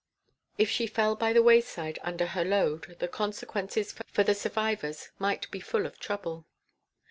If she fell by the wayside under her load the consequences for the survivors might be full of trouble.